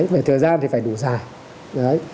về thời gian thì phải đủ dài